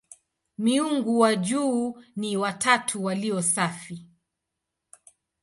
Miungu wa juu ni "watatu walio safi".